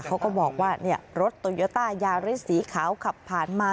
เขาก็บอกว่ารถโตโยต้ายาริสสีขาวขับผ่านมา